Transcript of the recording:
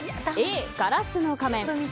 Ａ、「ガラスの仮面」